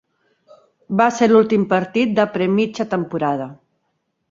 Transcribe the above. Va ser l'últim partit de pre-mitja temporada.